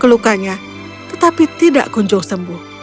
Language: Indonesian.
kelukanya tetapi tidak kunjung sembuh